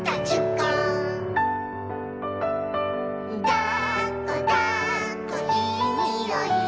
「だっこだっこいいにおい」